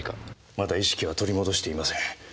まだ意識は取り戻していません。